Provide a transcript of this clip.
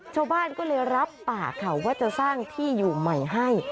ชาวบ้านก็เลยรับปากค่ะว่าจะสร้างที่อยู่ใหม่ให้